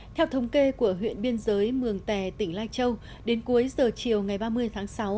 theo thống kê của huyện biên giới mường tè tỉnh lai châu đến cuối giờ chiều ngày ba mươi tháng sáu